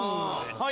はい！